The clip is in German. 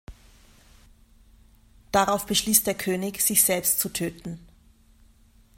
Darauf beschließt der König, sich selbst zu töten.